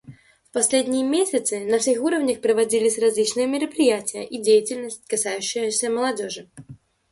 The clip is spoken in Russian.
В последние месяцы на всех уровнях проводились различные мероприятия и деятельность, касающиеся молодежи.